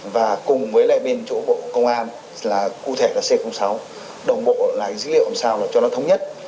và cùng với lại bên chỗ bộ công an là cụ thể là c sáu đồng bộ lại dữ liệu làm sao là cho nó thống nhất